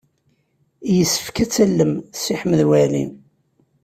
Yessefk ad tallem Si Ḥmed Waɛli.